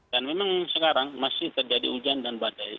dan memang sekarang masih terjadi hujan dan badai